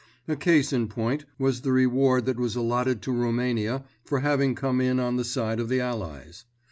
A case in point was the reward that was allotted to Roumania for having come in on the side of the Allies.